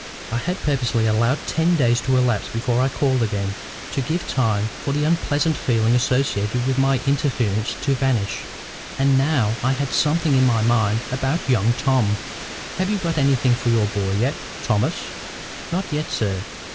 I had purposely allowed ten days to elapse before I called again, to give time for the unpleasant feelings associated with my interference to vanish. And now I had something in my mind about young Tom. "Have you got anything for your boy yet, Thomas?" "Not yet, sir.